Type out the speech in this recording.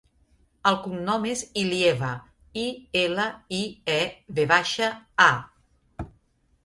El cognom és Ilieva: i, ela, i, e, ve baixa, a.